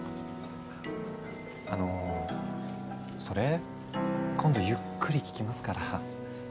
あのそれ今度ゆっくり聞きますから。